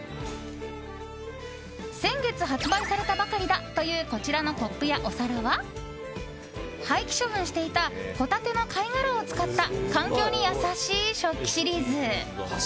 先月発売されたばかりだというこちらのコップやお皿は廃棄処分していたホタテの貝殻を使った環境に優しい食器シリーズ。